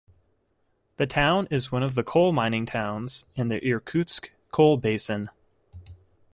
The town is one of the coal-mining towns in the Irkutsk coal basin.